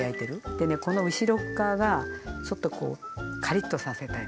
でねこの後ろっかわがちょっとこうカリッとさせたい。